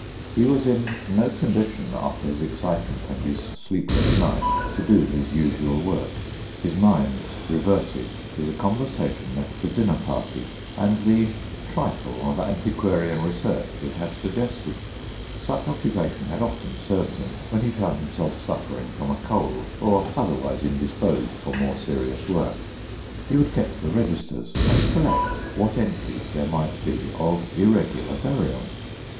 He was in no condition, after his excitement and his sleepless night, to do his usual work. His mind reverted to the conversation at the dinner party and the trifle of antiquarian research it had sug gested. Such occupation had often served him when he found himself suffering from a cold, or otherwise indisposed for more serious work. He would get the registers and collect what entries there might be of irregular burial.